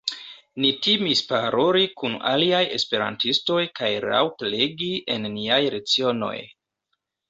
Ni timis paroli kun aliaj esperantistoj kaj laŭt-legi en niaj lecionoj.